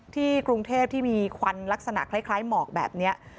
กรุงเทพที่มีควันลักษณะคล้ายหมอกแบบนี้